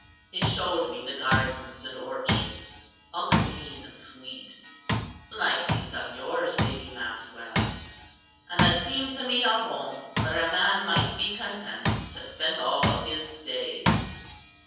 He showed me the gardens and orchards, all green and sweet, like these of yours, Lady Maxwell. And it seemed to me a home where a man might be content to spend all his days.